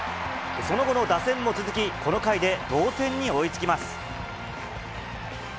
その後の打線も続き、この回で同点に追いつきます。